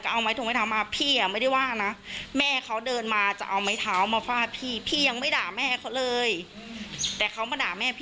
แต่เขามาด่าแม่พี่มีใครก็โกรธใช่ปะ